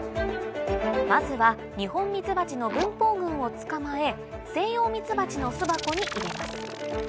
まずはニホンミツバチの分蜂群を捕まえセイヨウミツバチの巣箱に入れます